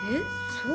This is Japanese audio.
そう？